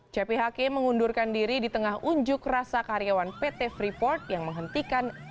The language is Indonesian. cepi hakim mengundurkan diri di tengah unjuk rasa karyawan pt freeport yang menghentikan